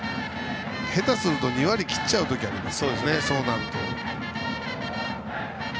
下手すると２割切っちゃう時があります。